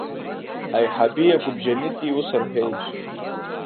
Аиҳаби агәыбжьанытәи ус рҳәеит…